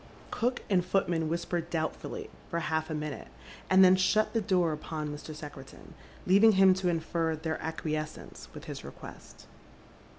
Cook and footman whisper doubtfully for half a minute, and then shut the door upon Mr. Secretan, leaving him to infer their acquiescence with his request.